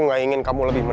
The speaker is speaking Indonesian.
apakah kamu bersedia